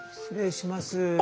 失礼します。